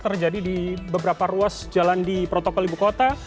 terjadi di beberapa ruas jalan di protokol ibu kota